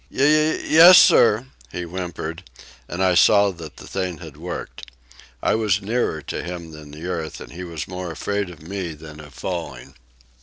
"Ye ye yes, sir," he whimpered, and I saw that the thing had worked. I was nearer to him than the earth, and he was more afraid of me than of falling.